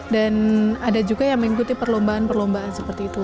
dan ada juga yang mengikuti perlombaan perlombaan seperti itu